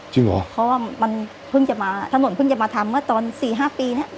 จริงเหรอเพราะว่ามันเพิ่งจะมาถนนเพิ่งจะมาทำเมื่อตอนสี่ห้าปีเนี้ย